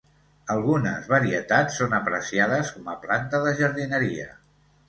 Algunes varietats són apreciades com a planta de jardineria.